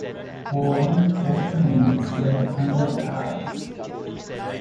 Oil also made its way under the ice.